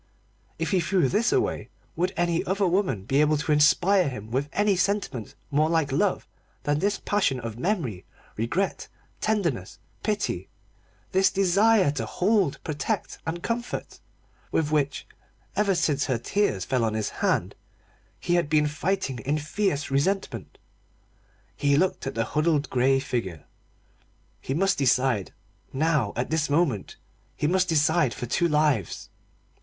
If he threw this away, would any other woman be able to inspire him with any sentiment more like love than this passion of memory, regret, tenderness, pity this desire to hold, protect, and comfort, with which, ever since her tears fell on his hand, he had been fighting in fierce resentment. He looked at the huddled grey figure. He must decide now, at this moment he must decide for two lives.